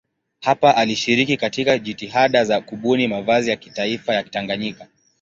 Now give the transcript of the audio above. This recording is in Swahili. Hapa alishiriki katika jitihada za kubuni mavazi ya kitaifa ya Tanganyika.